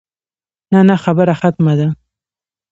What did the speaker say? نه نه خبره ختمه ده.